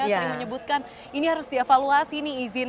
sering menyebutkan ini harus dievaluasi nih izin